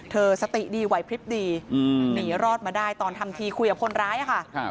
สติดีไหวพลิบดีหนีรอดมาได้ตอนทำทีคุยกับคนร้ายค่ะ